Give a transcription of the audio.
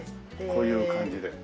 こういう感じで。